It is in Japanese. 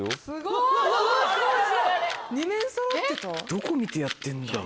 ・どこ見てやってんだろう？